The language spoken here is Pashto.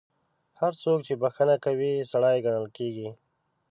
هر څوک چې بخښنه کوي، سړی ګڼل کیږي.